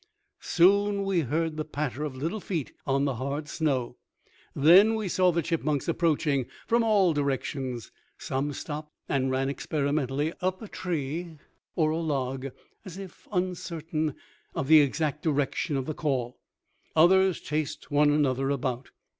Soon we heard the patter of little feet on the hard snow; then we saw the chipmunks approaching from all directions. Some stopped and ran experimentally up a tree or a log, as if uncertain of the exact direction of the call; others chased one another about.